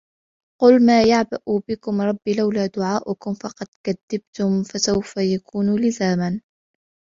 قُلْ مَا يَعْبَأُ بِكُمْ رَبِّي لَوْلَا دُعَاؤُكُمْ فَقَدْ كَذَّبْتُمْ فَسَوْفَ يَكُونُ لِزَامًا